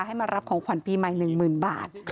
ให้มารับของขวัญปีใหม่๑๐๐๐บาท